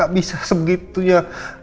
gak bisa segitunya